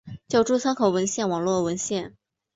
脚注参考文献网络文献